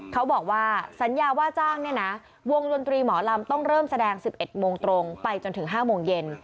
เขาบอกว่าสัญญาว่าจ้างเนี่ยนะวงดนตรีหมอลำต้องเริ่มแสดง๑๑โมงตรงไปจนถึง๕โมงเย็น